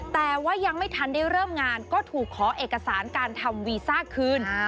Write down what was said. แต่ว่ายังไม่ทันได้เริ่มงานก็ถูกขอเอกสารการทำวีซ่าคืน